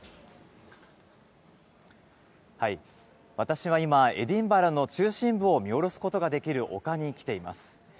私は今、エディンバラの中心部を見下ろすことができる丘に来ています。